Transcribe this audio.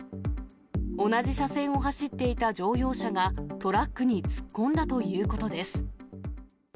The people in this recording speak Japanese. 同じ車線を走っていた乗用車が、トラックに突っ込んだということです。